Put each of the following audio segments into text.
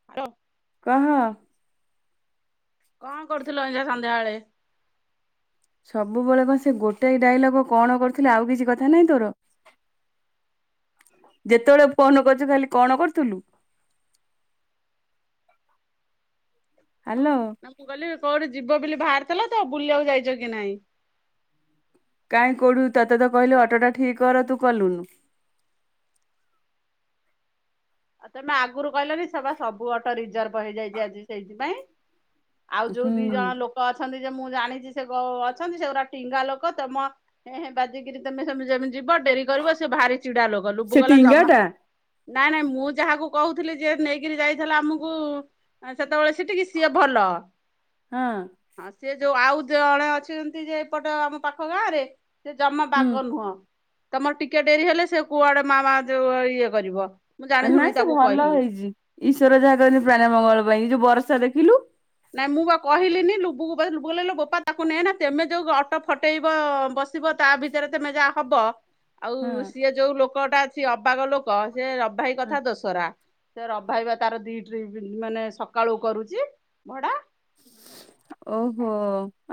[unintelligible] କହ। କଣ କରୁଥିଲ ଅଇଁଛା ସନ୍ଧ୍ୟାବେଳେ? ସବୁବେଳେ କଣ ସେ ଗୋଟାଏ ଡାଇଲକ କଣ କରୁଥିଲେ, ଆଉ କିଛି କଥା ନାହିଁ ତୋର? ଯେତବଳେ ଫୋନ କରୁଛୁ ଖାଲି କଣ କରୁଥେଲୁ। ହାଲୋ। ନା ମୁଁ କହିଲି କୋଉଠି ଯିବ ବୋଲି ବାହାରିଥେଲ ତ, ବୁଲିଆକୁ ଯାଇଚ କି ନାହିଁ? କାଇଁ କୋଉଠୁ ତତେ ତ କହିଲେ ଅଟୋଟା ଠିକ୍ କର ତୁ କଲୁନି। ଆଉ ତମେ ଆଗରୁ କହିଲନି, ସେ ବା ସବୁ ଅଟୋ ରିଜର୍ଭ ହେଇଯାଇଚି ଆଜି ସେଇଥିପାଇଁ। ଆଉ ଯୋଉ ଦି ଜଣ ହୁଁ ଲୋକ ଅଛନ୍ତି ଯେ ମୁଁ ଜାଣିଛି ସେ ଅଛନ୍ତି, ସେଗୁରା ଟିଙ୍ଗା ଲୋକ ତେମ ହେଁ-ହେଁ ବାଜିକିରି ତମେ ସେମିତି ଯିବ ଡେରି କରିବ ସେ ଭାରି ଚିଡା ଲୋକ, ଲୁବୁ ସେ କହିଲା ଟିଙ୍ଗା ଜମା ଟା ନାଇଁ-ନାଇଁ ମୁଁ ଯାହାକୁ କହୁଥିଲି ଯିଏ ନେଇକିରି ଯାଇଥିଲା ଆମୁକୁ ଆ ସେତେବେଳେ ସିଟିକି ସିଏ ଭଲ। ହଁ। ହଁ ସେ ଯୋଉ ଆଉ ଜଣେ ଅଛନ୍ତି ଯେ ଏପଟ ଆମ ପାଖ ଗାଁ ରେ ସେ ଜମା ହୁଁ ବାଗ ନୁହଁ, ତମର ଟିକେ ଡେରି ହେଲେ ସେ କୁଆଡେ ମା-ମା ଯୋଉ ଇଏ କରିବ। ମୁଁ ନା ଜାଣିଶୁଣି ସେ ଭଲ ହେଇଚି ଈଶ୍ଵର ଯାହା କରନ୍ତି ପ୍ରାଣୀର ମଙ୍ଗଳ ପାଇଁ, ଏ ଯୋଉ ବର୍ଷା ଦେଖିଲୁ। ନାଇଁ ମୁଁ ବା କହିଲିନି ଲୁବୁ [unintelligible] କହିଲା ଇଲୋ ବୋପା ତାକୁ ନେ ନା ତମେ ଯୋଉ ଅଟ ଫଟେଇବ ବସି ଆସିବ ତା ଭିତରେ ତମେ ଯାହା ହବ। ଆଉ ହଁ ସିଏ ଯୋଉ ଲୋକଟା ଅଛି ଅବାଗ ଲୋକ ସେ ଅଭି ଭାଇ ହଁ କଥା ଦୋଷରା। ସେ ରବି ଭାଇ ତାର ଦି ଟ୍ରିପ ମାନେ ସକାଳୁ କରୁଛି ଭଡ଼ା। ଓହୋ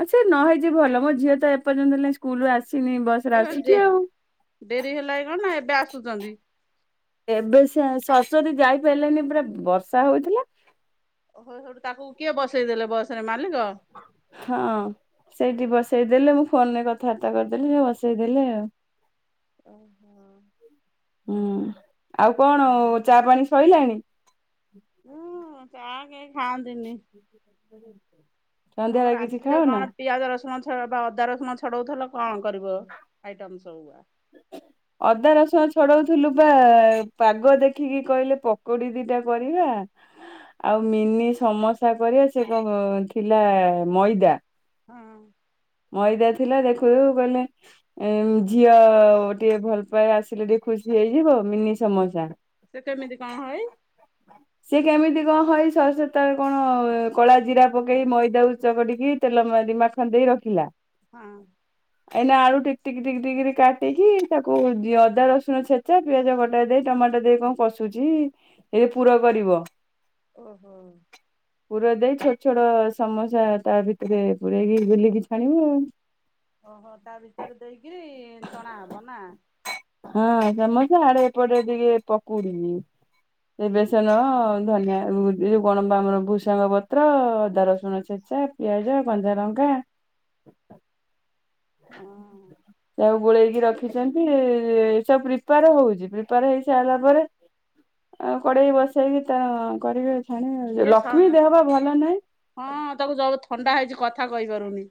ଆଛା ନ ହେଇଛି ଭଲ ମୋ ଝିଅ ତ ଏପର୍ଯ୍ୟନ୍ତ ହେଲା ସ୍କୁଲରୁ ଆସିନି ବସ ଏବେ ଡେ ଆସିଛି ଆଉ। ଡେରି ହେଲାନି କଣ ନା ଏବେ ଆସୁଛନ୍ତି। ଏବେ ସେ ସରସ୍ଵତୀ ଯାଇପାରିଲାନି ପୁରା ବର୍ଷା ହଉଥିଲା। ଓହୋ ତାକୁ କିଏ ବସେଇଦେଲେ ବସରେ ମାଲିକ। ହଁ ସେଇଠି ବସେଇଦେଲେ ମୁଁ ଫୋନ ରେ କଥାବାର୍ତ୍ତା କରିଦେଲି ସେ ବସେଇଦେଲେ ଆଉ। ଓହୋ। ହୁଁ ଆଉ କଣ ଚା ପାଣି ସଇଲାଣି। ଉୁଁ ଚାହା କେହି ଖାଆନ୍ତିନି। ତମ ସନ୍ଧ୍ୟାବେଳେ କିଛି ରାତିରେ ଖାଅନା। କଣ ପିଆଜ ରସୁଣ ବା ଅଦା ରସୁଣ ଛଡଉଥିଲେ କଣ କରିବ ଆଇଟମ୍ ସବୁଆ ଅଦା ରସୁଣ ଛଡଉଥିଲୁ ବା ପାଗ ଦେଖିକି କହିଲେ ପକୋଡି ଦିଟା କରିବା। ଆଉ ମିନି ସମସା କରିବା ସେ କଣ ଥିଲା ମଇଦା। ହଁ। ମଇଦା ଥିଲା ଦେଖୁ ଦେଖୁ କହିଲେ। ଝିଅ ଟିକେ ଭଲ ପାଏ ଆସିଲେ ଟିକେ ଖୁସି ହେଇଯିବ ମିନି ସମସା। ସିଏ କେମିତି କଣ ହଏ? [inaudible] ସିଏ କେମିତି କଣ ହଏ ସୋରିଷ ତଳେ କଣ କଳା ଜିରା ପକେଇ ମଇଦା କୁ ଚକଟିକି ତେଲ ମାରି ମା ଛନ୍ଦେଇ ରଖିଲା। ହଁ। ଏଇନା ଆଳୁ ଟିକ ଟିକ ଟିକ ଟିକ କାଟିକି ତାକୁ ଅଦା ରସୁଣ ଛେଚା ପିଆଜ କଟା ଦେଇ ଟମାଟୋ ଦେଇ କଣ ପଶୁଛି ଏଇ ପୁର କରିବ। ଓହୋ। ପୁର ଦେଇ ଛୋଟ ଛୋଟ ସମସା ତା ଭିତରେ ପୁରେଇକି ବିଲିକି ଛାଣିବ ଆଉ। ଓହୋ ତା ଭିତରେ ଦେଇକରି ଛଣାହବ ନା। ହଁ ସମସା ଆଡେ ଏପଟେ ଟିକେ ପକୁଡି। ଏ ବେସନ ଧନିଆ ଏ ଯୋଉ କଣ ଆମର ଭୁର୍ସଙ୍ଗ ପତ୍ର ଅଦା ରସୁଣ ଛେଚା ପିଆଜ କଞ୍ଚାଲଙ୍କା ହଁ। ତାକୁ ଗୋଳେଇକି ରଖିଛନ୍ତି ଏ ସବୁ ପ୍ରିପେୟାର ହଉଛି ପ୍ରିପେୟାର ହେଇ ସାରିଲା ପରେ। ଆଉ କଡେଇ ବସେଇକି ତା କରିବେ। ଛାଣିବେ ଇଏ ସ ଲକ୍ଷ୍ମୀ ଦେହ ପା ଭଲ ନାହିଁ। ହଁ ତାକୁ ଜୋର୍ ଥଣ୍ଡା ହେଇଛି କଥା କହିପାରୁନି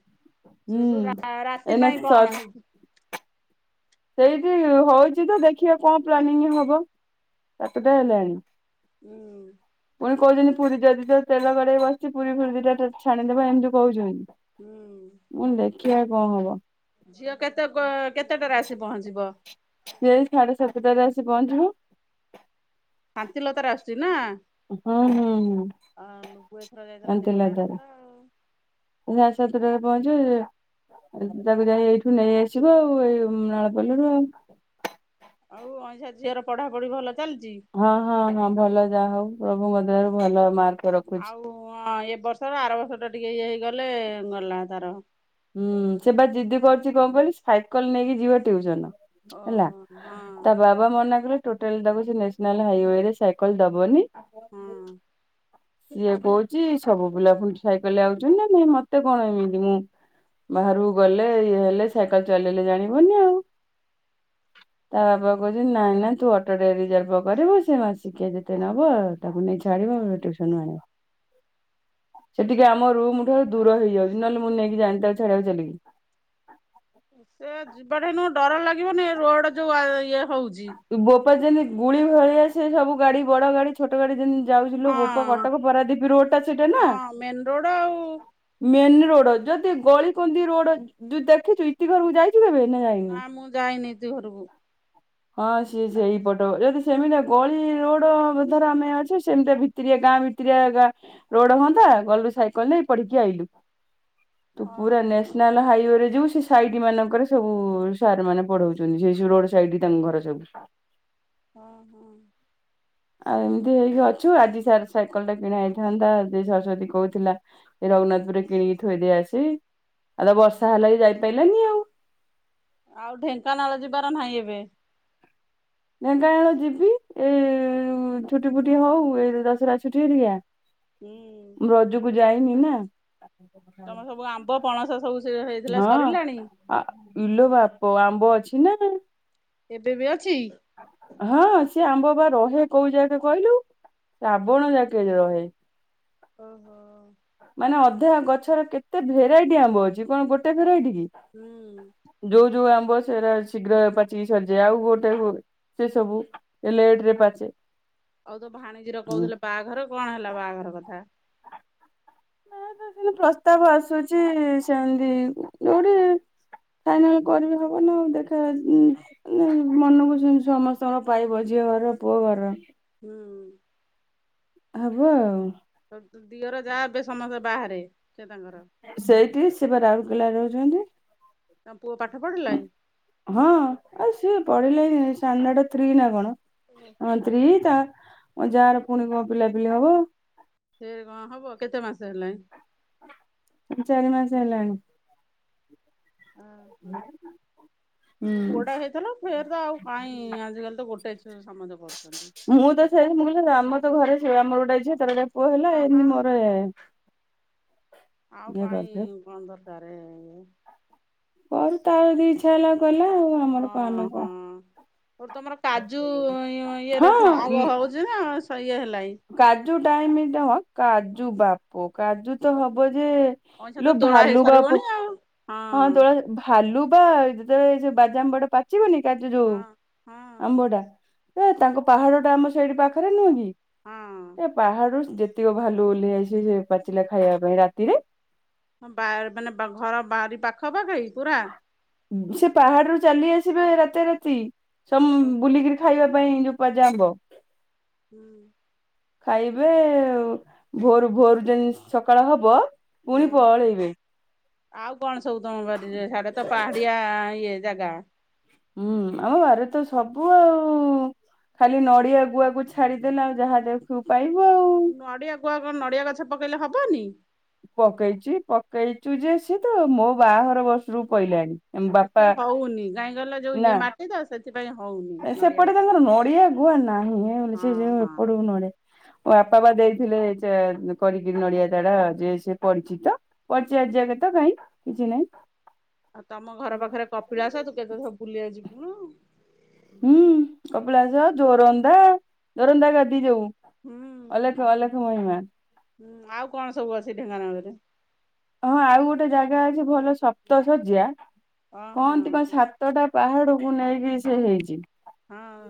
ହୁଁ। ସେଠୁ ରାତି ଏଇନା ପାଇଁ କଣ ହେଇଚି? ସେଇଠି ହଉଛି ତ ଦେଖିବା କଣ ପ୍ଲାନିଂ ହବ ସାତଟା ହେଲାଣି। ହୁଁ। ପୁଣି କହୁଛନ୍ତି ପୁରୀ ଯଦି ତ ତେଲ କଡେଇକ ବସିଛି ପୁରୀ ଫୁରୀ ଦିଟା ଛାଣିଦବା ଏମିତି କହୁଛନ୍ତି। ହୁଁ। ମୁଁ କହିଲି ଦେଖିବା କଣ ହବ? ଝିଅ କେତେ କେତେଟାରେ ଆସି ପହଞ୍ଚିବ? ସିଏ ସାଢେ ସାତଟରେ ଆସି ପହଞ୍ଚିବ। ଶାନ୍ତି ଲତାରେ ଆସୁଛି ନା। ହଁ ହୁଁ ହୁଁ ଆ ଲୁଗୁ ଏଥର ଯାଇଥିଲା ସେଇଥର ଶାନ୍ତିଲତାରେ। ଆସିଥିଲା ଆଉ। ସାଢ଼େ ସାତଟାରେ ପହଁଚିବ। ତାକୁ ଯାଇ ଏଇଠୁ ନେଇଆସିବ ଆଉ ଏଇ ନାଳପଲିରୁ ଆଉ। ଆଉ ଅଇଝା ଝିଅର ପଢ଼ାପଢ଼ି ଭଲ ଚାଲିଛି। ହଁ ହଁ ହଁ ଭଲ ଯାହା ହଉ ପ୍ରଭୁଙ୍କ ଦୟାରୁ ଭଲ ମାର୍କ ରଖ ଆଉ ଏ ବର୍ଷର ଆର ବର୍ଷ ଟା ଟିକେ ଇଏ ହେଇଗଲେ ଗଲା ତାର। ହୁଁ। ସେ ବା ଜିଦି କରୁଚି କଣ କହିଲୁ ସାଇକଲ ନେଇକି ଯିବ ଟିଉସନ। ହେଲା। ଓହୋ। ହଁ ତା ବା ବା ମନା କଲେ ଟୋଟାଲ ତାକୁ ସେ ନେସନାଲ୍ ହାଇୱେ ରେ ସାଇକଲ ଦବନି। ହଁ। ସିଏ କହୁଚି ସବୁ ପିଲା ପୁଣି ସାଇକେଲ ଆାଉଚନ୍ତି ନା ନାଇଁ ମତେ କଣ ଏମିତି ମୁଁ ବାହାରକୁ ଗଲେ ଇଏ ହେଲେ ସାଇକେଲ ଚଲେଇଲେ ଜାଣିବନି ଆଉ। ତା ବାବା କହୁଛନ୍ତି ନାଇଁ ନାଇଁ ତୁ ଅଟୋ ଟେ ରିଜର୍ଭ କରିବୁ ସେ ମାସିକିଆ ଯେତେ ନବ ତାକୁ ନେଇ ଛାଡ଼ିବ ଟିୟୁସନ୍ ରୁ ଆଣିବ। ସେଠିକି ଆମ ଠୁ ଠାରୁ ଦୂର ହେଇଯାଉଚି, ନହେଲେ ମୁଁ ନେଇକି ଯାଆନ୍ତି ତାକୁ ଛାଡ଼ିବାକୁ ଚାଲିିକି। ଏ ଯିବାଟା ନୁହଁ ଡର ଲାଗିବନି ରୋଡ୍ ଯୋଉ ଇଏ ହଉଚି। ବୋପା ଯେମତି ଗୁଳି ଭଳିଆ ସେ ସବୁ ଗାଡି ବଡ ଗାଡି ଛୋଟ ଗାଡି ଯେମିତି ଯାଉଚି ଲୋ ବୋପା ହଁ କଟକ ପରାଦ୍ଵୀପ ରୋଡ ଟା ସେଟା ନା। ହଁ ମେନ ରୋଡ ଆଉ ମେନ୍ ରୋଡ, ଯଦି ଗଳିକନ୍ଦି ରୋଡ ଯୋଉ ଦେଖିଚୁ ଇତି ଘରକୁ ଯାଇ ନା ମୁଁ ଯାଇନି ଇତି ଘରକୁ। ହଁ ସିଏ ସେଇପଟ। ଯଦି ସେମିତିଆ ଗଳି ରୋଡ ଧର ଆମେ ଅଛେ ସେମିତିଆ ଭି ଭିତିରିଆ ଗାଁ ଭିତିରିଆ ରୋଡ ହୁଅନ୍ତା ଗଲୁ ସାଇକେଲ ରେ ପଢିକି ଆଇଲୁ। ତୁ ହଁ ପୁରା ନେସ୍ ନେସ୍ନାଲ୍ ହାଇୱେ ରେ ଯିବୁ ସେଇ ସାଇଟ୍ ମାନଙ୍କରେ ସବୁ ସାର୍ ମାନେ ପଢାଉଛନ୍ତି ସେଇ ରୋଡ ସାଇଟ୍ ତାଙ୍କ ଘର ସବୁ। ଅ ହଁ। ଆଉ ଏମିତି ହେଇକି ଅଛୁ। ଆଜି ସାର୍ ସାଇକେଲ ଟା କିଣା ହେଇଥାନ୍ତା [unintelligible] କହୁଥିଲା ଏ ରଘୁନାଥପୁରରେ କିଣିକି ଥୋଇଦେଇଆସେ। ଆଉ ତ ବର୍ଷା ହେଲା ଯେ ଯାଇପାରିଲାନି ଆଉ। ଆଉ ଢେଙ୍କାନାଳ ଯିବାର ନାହିଁ ଏବେ? ଢେଙ୍କାନାଳ ଯିବି। ଏଇ ଛୁଟି ଫୁଟି ହଉ ଏଇ ଦଶହରା ଛୁଟି ହେରିକା। ହୁଁ। ରଜକୁ ଯାଇନି ନା। ତମର ସବୁ ଆମ୍ବ ପଣସ ସବୁ ହେଇଥିଲା ସରିଲାଣି? ଆ ଇଲୋ ବାପ ଆମ୍ବ ଅଛି ନା ନାହିଁ। ଏବେ ବି ଅଛି? ହଁ ସିଏ ଆମ୍ବ ବା ରହେ କୋଉ ଯାକେ କହିଲୁ ଶ୍ରାବଣ ଯାକେ ରହେ। ଓହୋ। ମାନେ ଅଧା ଗଛର କେତେ ଭେରାଇଟି ଆମ୍ବ ଅଛି କଣ ଗୋଟେ ଭେରାଇଟି କି। ହୁଁ। ଯୋଉ ଯୋଉ ଆମ୍ବ ସେଇରା ଶୀଘ୍ର ପାଚିକି ସଢିଯାଏ। ଆଉ ଗୋଟେ ସେସବୁ ଏ ଲେଟ୍ ରେ ପାଚେ। ଆଉ ତୋ ଭାଣେଜି ର କହୁଥିଲେ ବାହାଘର କଣ ହେଲା ବାହାଘର କଥା? କିନ୍ତୁ ପ୍ରସ୍ତାବ ଆସୁଚି ସେମିତି ଯୋଉଠି ଫାଇନାଲ୍ କରିବେ ହବ ନା। ଦେଖା ମନକୁ ଯେମିତି ସମସ୍ତଙ୍କର ପାଇବ ଝିଅ ଘରର ପୁଅ ଘରର। ହୁଁ। ହବ ଆଉ। ତୋ ଦିଅର ଯା ଏବେ ସମସ୍ତେ ବାହାରେ ସେ ତାଙ୍କର। ସେଇଠି ସେ ପା ରାଉରକେଲାରେ ରହୁଛନ୍ତି। ତମ ପୁଅ ପାଠ ପଢିଲାଣି? ହଁ। ଆଉ ସିଏ ପଢିଲାଣି ଷ୍ଟାଣ୍ଡାର୍ଡ ଥ୍ରୀ ନା କଣ। ଓହୋ। ହଁ ତାଙ୍କ ଥ୍ରି ତା ମୋ ଯାର ପୁଣି କଣ ପିଲାପିଲି ହବ। ସେ କଣ ହବ କେତେ ମାସେ ହେଲାଣି? ଚାରିମାସେ ହେଲାଣି। ଅ ହଁ। ହୁଁ। ପୁଅଟା ହେଇଥିଲା ଫେର୍ ତ ଆଉ କାଇଁ ଆଜିକାଲି ତ ଗୋଟେ ଛୁ ସମସ୍ତେ କରୁଛନ୍ତି। ମୁଁ ତ ସେ ମୁଁ କହିଲି ଆମର ତ ଛୁଆ ଘରେ ମୋର ଗୋଟେ ଝିଅ ତୋର ଗୋଟେ ପୁଅ ହେଲା ହଁ ହଁ ଏମିତି ମୋର ଆଉ ଇଏ କରିଥିଲେ କାଇଁ କଣ ଦରକାର ଇଏ। କରୁ ତାର ଜଦି ଇଚ୍ଛା ହେଲା କଲା ଆଉ ଆମର କଣ ଆମେ କଣ। ଯୋଉ ତମର କାଜୁ ଇଏରେ ହଁ ଆଉ ହଉଛି ନା ଇଏ ହେଲାଇ। କାଜୁ ଟାଇମ୍ କାଜୁ ବାପ କାଜୁ ତ ହବ ଯେ ପଇସା ତ ଲୋ ତୋଳା ହେଇ ଭାଲୁ ବା ସାରିବଣି ଆଉ ହଁ ତୋଳି ଭାଲୁବା ଯେତେବେଳେ ଏ ଯଉ ବାଜାମ ବଡ ପା ପାଚିବନି କାଜୁ ହଁ ଯୋଉ ହଁ ଆମ୍ବଟା ଏ ତାଙ୍କ ପାହାଡ ଟା ଆମ ସେଇଟି ପାଖରେ ନୁହଁ କି ହଁ। ଏ ପାହାଡରୁ ଯେତିକ ଭାଲୁ ଓଲ୍ହେଇ ଆସିବେ ସେ ପାଚିଲା ଖାଇବା ପାଇଁ ରାତିରେ। ହଁ ବା ମାନେ ଘର ବାରି ପାଖପାଖଇ ପୁରା। ସେ ପାହାଡ ରୁ ଚାଲି ଆସିବେ ରାତା ରାତି ଓହୋ। ବୁଲିକରି ଖାଇବା ପାଇଁ ଯୋଉ ବାଜା ଆମ୍ବ। ହୁଁ। ଖାଇବେ, ଭୋରୁ ଭୋରୁ ଯେମିତି ସକାଳ ହବ ପୁଣି ହଁ ପଳେଇବେ। ଆଉ କଣ ସବୁ ତମ ବାରିରେ ସିଆଡ଼େତ ପାହାଡିଆ ଇଏ ଜାଗା। ହୁଁ ଆମ ବାରିରେ ତ ସବୁ ଆଉ। ଖାଲି ନଡିଆ, ଗୁଆକୁ ଛାଡିଦେଲେ ଆଉ ଯାହା ଦେଖିବୁ ପାଇବୁ ଆଉ। ନଡ଼ିଆ ଗୁଆ କଣ ନଡ଼ିଆ ଗଛ ପକେଇଲେ ହବନି। ପକେଇଛି ପକେଇଚୁ ଯେ ସିଏତ ମୋ ବାହାଘର ବର୍ଷରୁ ପଇଲାଣି। ବାପା ଏତେ ହଉନି କାହିଁ କହିଲ ଯୋଉ ଇଏ ମାଟି ତ ସେଥିପାଇଁ ହଉନି। ଏ ନଡିଆ ସେପଟେ ଗଛ ଟା। ତାଙ୍କର ନଡିଆ ଗୁଆ ନାହିଁ ବୋଲି ସେ ହଁ ଯେ ହଁ ଏପଟକୁ ନଡିଆ ବାପା ବା ଦେଇଥିଲେ ଯେ କରିକିରି ନଡିଆ ଚାରା ଯେ ସେ ପଡିଛି ତ। ପଡିଛି ଆଜି ଜାକେ ତ କାହିଁ କିଛି ନାହିଁ। ଆଉ ତମ ଘର ପାଖରେ କପିଳାସ ତୁ କେତେଥର ବୁଲିବାକୁ ଜିବୁଣୁ। ହୁଁ କପିଳାସ, ଜୋରନ୍ଦା ଜୋରନ୍ଦା ଗାଦି ଯୋଉ। ହୁଁ ଅଲେଖ ଅଲେଖ ମହିମା ହୁଁ ଆଉ କଣ ସବୁ ଅଛି ଢେଙ୍କାନାଳରେ। ହଁ ଆଉ ଗୋଟେ ଜାଗା ଅଛି ଭଲ ସପ୍ତଶଯ୍ୟା ହଁ ହଁ କହନ୍ତି କଣ ହଁ ସାତଟା ପାହାଡକୁ ନେଇକି ସେ ହେଇଛି। ହଁ।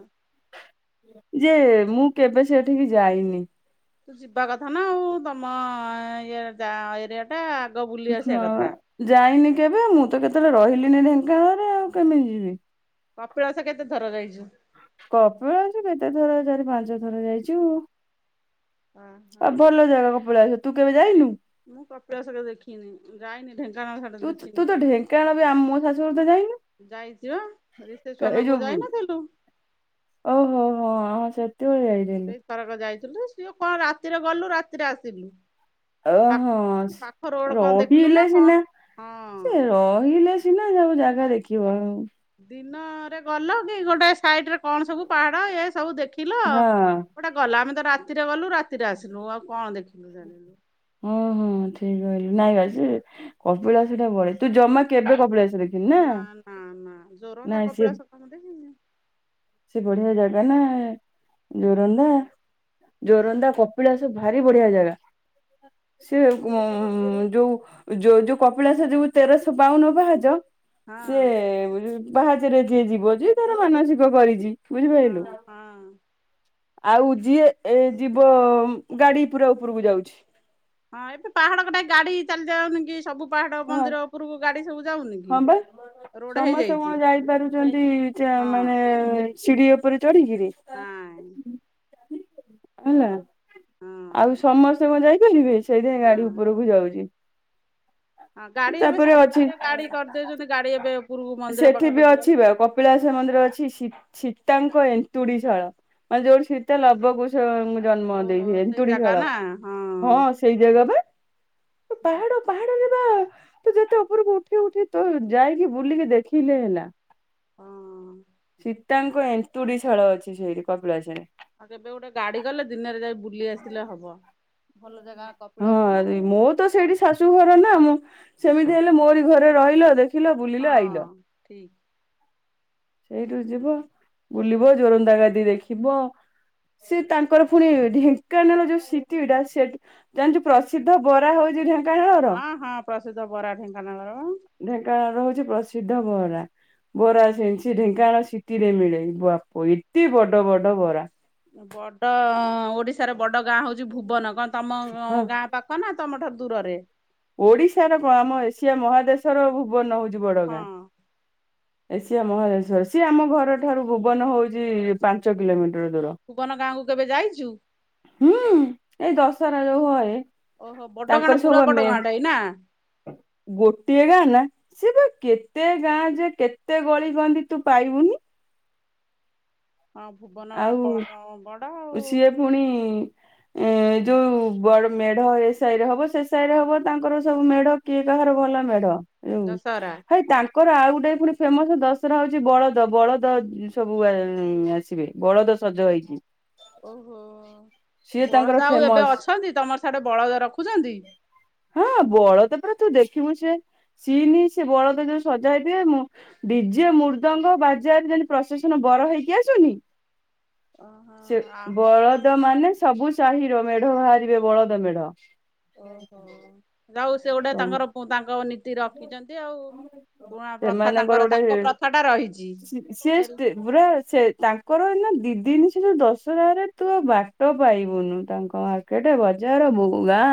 ଯେ ମୁଁ କେବେ ସେଠିକି ଯାଇନି। ତୁ ଯିବା କଥା ନା ଆଉ ତମ ଇଏ ଯା ଏରିଆ ଟା ଆଗ ବୁଲି ଆସିବା ହଁ କଥା। ଯାଇନି କେବେ ମୁଁ ତ କେତେବେଳେ ରହିଲିନି ଢେଙ୍କାନାଳରେ ଆଉ କେମିତି ଯିବି। କପିଳାସ କେତେ ଥର ଯାଇଛୁ। କପିଳାସ କେତେ ଥର ଚାରି ପାଞ୍ଚ ଥର ଯାଇଛୁ। ଓହୋ। ଆଉ ଭଲ ଜାଗା କପିଳାସ ତୁ କେବେ ଯାଇନୁ? ମୁଁ କପିଳାସ କେବେ ଦେଖିନି ଯାଇନି ଢେଙ୍କାନାଳ ସେ ତୁ ତୁ ତ ଢେଙ୍କାନାଳ ବି ଆ ମୋ ଶାଶୁୁଘରୁ ତ ଯାଇନୁ। ଯାଇଛିିବା ଏଇ ରିସେପସନ କୁ ଯୋଉ ଯାଇନଥିଲୁ। ଓହୋ ହୋ ହଁ ସେତେବେଳେ ଯାଇ ସେଇ ଥରକ ଯାଇଥିଲୁ, ସିଏ କଣ ରାତିରେ ଗଲୁ ରାତିରେ ଆସିଲୁ। ପା ଓହୋ ପାଖ ରୋଡ କଣ ଦେଖିଲୁ ନା ରହିଲେ କଣ ସିନା ସେ ହଁ। ରହିଲେ ସିନା ଯଉ ଜାଗା ଦେଖିବ ଆଉ। ଦିନରେ ଗଲ କି ଗୋଟେ ସାଇଡରେ କଣ ସବୁ ପାହାଡ ଏ ସବୁ ଦେଖିଲ ହଁ ଗୋଟେ ଗଲ, ଆମେ ତ ରାତିରେ ଗଲୁ ରାତିରେ ଆସିଲୁ ଆଉ କଣ ଦେଖିଲୁ ଜାଣିଲୁ। ହୁଁ ହଁ ଠିକ କହିଲୁ ନାଇଁ ବା ସେ କପିଳାସଟା ବଳେଇ ତୁ ଜମା କେବେ କବିଳାସ ଦେ ନା ନା ନା ଜୋରନ୍ଦା ସେ କପିଳାସ କଣ ମୁଁ ଦେଖିଚି। ସେ ବଢିଆ ଜାଗା ନା ଜୋରନ୍ଦା। ଜୋରନ୍ଦା କପିଳାସ ଭାରି ବଢିଆ ଜାଗା ସେ ଉ ଯୋଉ ଯୋଉ ଯୋଉ କପିଳାସ ଯିବୁ ତେରଶହ ବାଉନ ପାହାଚ ହଁ ସେ ପାହାଚରେ ଯିଏ ଯିବ ଯେ ତାର ମାନସିକ କରିଛି। ହଁ ବୁଝିପାରିଲୁ ହଁ। ଆଉ ଯିଏ ଏ ଯିବ ଗାଡି ପୁରା ଉପରକୁ ଯାଉଛି। ହଁ ଏବେ ପାହାଡ କଟା ଗାଡି ଚାଲି ଯାଉନି କି ସବୁ ପାହାଡ ହଁ ମନ୍ଦିର ଉପରକୁ ଗାଡି ସବୁ ଯାଉନି କି? ହଁ ବା ରୋଡ ସମସ୍ତେ ହେଇଯାଇଛି କଣ ଯାଇପାରୁଛନ୍ତି ଚା ହଁ ମାନେ ସିଢି ଉପରେ ଚଢ଼ିକିରି ନାଇଁ ହେଲା। ହଁ ଆଉ ସମସ୍ତେ କଣ ଯାଇପାରିବେ ସେଇଥି ପାଇଁ ନା ଗାଡି ଉପରକୁ ଯାଉଛି। ହଁ ଗାଡି ଏବେ ତାପରେ ସବୁ ଅଛି ଜାଗାରେ ଗାଡି କରିଦଉଛନ୍ତି ଗାଡି ଏବେ ଉପରକୁ ମନ୍ଦିର ସେଠି ବି ପାଖାପାଖି ଅଛି ଗଲେ ବା କପିଳାସ ମନ୍ଦିର ଅଛି ସୀ ସୀତାଙ୍କ ଏନ୍ତୁଡିଶାଳ ମାନେ ଯୋଉଠି ସୀତା ଲବକୁ ସ କୁ ଜନ୍ମ ଓହୋ ଦେଇଥିଲେ ସେଇ ଜାଗା ଏନ୍ତୁଡ଼ିଶାଳ ନା ହଁ ସେଇ ଜାଗା ବା ତୁ ଅଭି ପାହାଡ ପାହାଡରେ ବା ତୁ ଯେତେ ଉପରକୁ ଉଠି ଉଠି ତୁ ଯାଇକି ବୁଲିକି ଦେଖିଲେ ହେଲା। ଆଉ ସୀତାଙ୍କ ଏନ୍ତୁଡି ଶାଳ ଅଛି ସେଇଠି କପିଳାସରେ। ହଁ କେବେ ଗୋଟେ ଗାଡି କଲେ ଦିନରେ ଯାଇ ବୁଲି ଆସିଲେ ହବ। ଭଲ ଜାଗା ହଁ କପିଳାସ ନା ଆ ଆଉ ମୋର ତ ସେଇଠି ଶାଶୁ ଘର ନା ମୁଁ ସେମିତି ହେଲେ ମୋରି ଘରେ ରହିଲ ଦେଖ ଦେଖିଲ ବୁଲିଲ ଆଇଲ। ହଁ ଠିକ। ଏଇଠୁ ଯିବ ବୁଲିବ ଜୋରନ୍ଦା ଗାଦି ଦେଖିବ। ସେ ତାଙ୍କର ପୁଣି ଢେଙ୍କାନାଳ ଯୋଉ ସିଟି ଡା ସେଠି ଜାଣିଛୁ ପ୍ରସିଦ୍ଧ ବରା ହଉଛି ଢେଙ୍କାନାଳର ହଁ ହଁ ପ୍ରସିଦ୍ଧ ବରା ଢେଙ୍କାନାଳର ବା। ଢେଙ୍କାନାଳ ର ହଉଛି ପ୍ରସିଦ୍ଧ ବରା। ବରା ସେ ସେ ଢେଙ୍କାନାଳ ସିଟି ରେ ମିଳେ ବାପ ଏତେ ବଡ ବଡ ବରା। ବଡ ଓଡିଶାର ବଡ ଗାଁ ହଉଛି ଭୁବନ କଣ ତମ ହଁ ଗାଁ ପାଖ ନା ତମଠାରୁ ଦୂରରେ? ଓଡିଶାର କଣ ଆମ ଏସିଆ ମହାଦେଶର ଭୁବନ ହଉଛି ହଁ ବଡଗାଁ। ଏସିିଆ ମହାଦେଶର ସିଏ ଆମ ଘର ଠାରୁ ଭୁବନ ହଉଛି ପାଞ୍ଚ କିଲୋମିଟର ଦୂର। ଭୁବନ ଗାଁକୁ କେବେ ଯାଇଛୁ? ହୁଁ। ଏଇ ଦଶହରା ଯୋଉ ହଏ ଓହୋ ବଡ ତାଙ୍କର ଗାଁଟ ପୁରା ସବୁ ବଡ ମେ ଗାଁ ଟା ଏଇ ନା? ଗୋଟିଏ ଗାଁ ନା? ସେ ବା କେତେ ଗାଁ ଯେ କେତେ ଗଳି କନ୍ଧି ତୁ ପାଇବୁନି। ହଁ ଭୁବନ ବା ଆଉ ବଡ ଆଉ। ସିଏ ପୁଣି ଏ ହ ଯୋଉ ବଡ ମେଢ ଏ ସାହି ରେ ହବ ସେ ସାହି ରେ ହବ ତାଙ୍କର ସବୁ ମେଢ କିଏ କାହାର ଭଲ ମେଢ ହୁଁ ଦଶହରା ହେ ତାଙ୍କ କରର ଆଉ ଗୋଟେ ପୁଣି ଫେମସ ଦଶହରା ହଉଛି ବଳଦ ବଳଦ ସବୁ ଉନ୍ ଆସିବେ। ବଳଦ ସଜ ହେଇଛି। ଓହୋ ତାଙ୍କର ବଳଦା ଆଉ ଏବେ ଫେମସ ଅଛନ୍ତି ତମର ସାଠେ ବଳଦ ରଖୁଛନ୍ତି? ହଁ ବଳଦ ପରା ତୁ ଦେଖିବୁ ସେ ସିନି ସେ ବଳଦ ଯୋଉ ସଜା ହେଇଥିବେ ମୁଁ ଡିଜେ ମୃଦଙ୍ଗ ବାଜା ପ୍ରସେସନ ରେ ବର ହେଇକି ଆସୁନି ଓହୋ ସେ ଆ ବଳଦ ମାନେ ସବୁ ସାହିର ମେଢ ବାହାରିବେ ବଳଦ ମେଢ। ଓହୋ ଯାହା ହଉ ସେ ଗୋଟେ ତାଙ୍କର ତାଙ୍କ ନି ରଖିଛନ୍ତି ଆଉ ପୁଣା ପ୍ରଥା ସେମାନଙ୍କର ତାଙ୍କର ଗୋଟେ ତାଙ୍କ ପ୍ରଥା ଟା ରହିଛି ହେଲେ ସିଏ ପୁରା ସେ ତାଙ୍କର ଏ ନା ଦି ଜିନିଷ ଯୋଉ ଦଶହରାରେ ତୁ ବାଟ ପାଇବୁନୁ ତାଙ୍କ ଗାଁ ରେ। କେଟେ ବଜାର ବୁ ଗାଁ